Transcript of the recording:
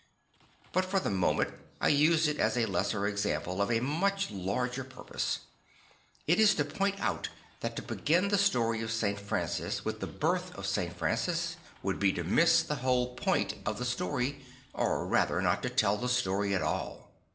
But for the moment I use it as a lesser example for a much larger purpose. It is to point out that to begin the story of St. Francis with the birth of St. Francis would be to miss the whole point of the story, or rather not to tell the story at all.